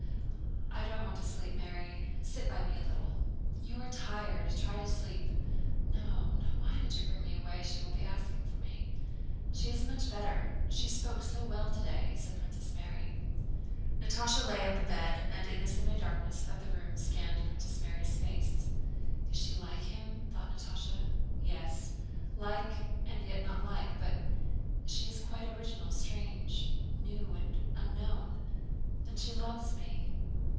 "I don't want to sleep, Mary, sit by me a little." "You are tired—try to sleep." "No, no. Why did you bring me away? She will be asking for me." "She is much better. She spoke so well today," said Princess Mary. Natásha lay on the bed and in the semidarkness of the room scanned Princess Mary's face. "Is she like him?" thought Natásha. "Yes, like and yet not like. But she is quite original, strange, new, and unknown. And she loves me.